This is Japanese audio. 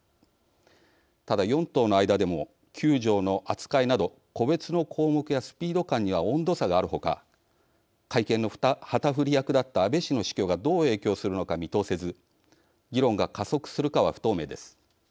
ただ、４党の間でも９条の扱いなど、個別の項目やスピード感には温度差があるほか改憲の旗振り役だった安倍氏の死去がどう影響するのか見通せず議論が加速するかは不透明です。